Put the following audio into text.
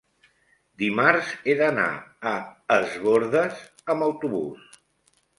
dimarts he d'anar a Es Bòrdes amb autobús.